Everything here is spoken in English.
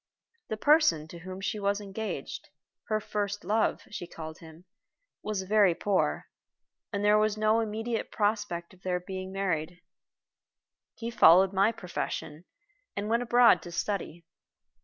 The person to whom she was engaged her first love, she called him was very poor, and there was no immediate prospect of their being married. He followed my profession, and went abroad to study.